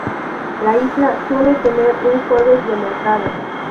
La isla suele tener un Jueves de mercado.